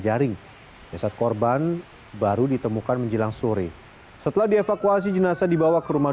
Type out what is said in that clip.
jaring jasad korban baru ditemukan menjelang sore setelah dievakuasi jenazah dibawa ke rumah